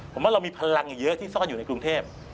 ผมว่าเรามีพลังอยู่เยอะที่ซ่อนอยู่ในกรุงเทพ